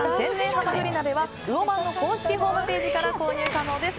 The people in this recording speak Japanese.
はまぐり鍋はうおまんの公式ホームページから購入可能です。